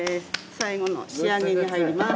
最後の仕上げに入ります。